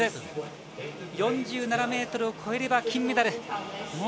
４７ｍを越えれば金メダル。